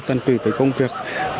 tân tùy với công việc